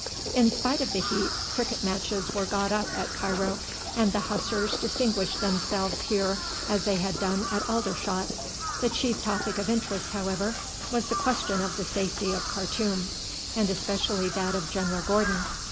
In spite of the heat cricket matches were got up at Cairo, and the Hussars distinguished themselves here as they had done at Aldershot. The chief topic of interest, however, was the question of the safety of Khartoum, and especially that of General Gordon.